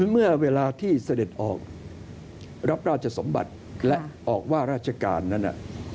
เมื่อเวลาที่เสด็จออกรับราชสมบัติและออกว่าราชการนั้น